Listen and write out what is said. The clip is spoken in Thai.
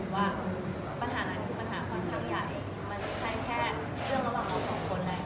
ว่าปัญหานั้นคือปัญหาค่อนข้างใหญ่มันไม่ใช่แค่เรื่องระหว่างเราสองคนแหละ